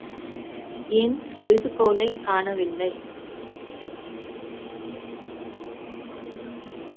என் எழுதுகோலைக் காணவில்லை.